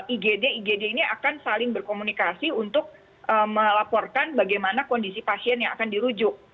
igd igd ini akan saling berkomunikasi untuk melaporkan bagaimana kondisi pasien yang akan dirujuk